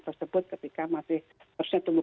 tersebut ketika masih harusnya tumbuh